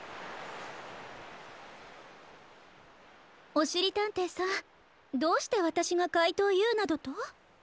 おしりたんていさんどうしてわたしがかいとうＵなどと？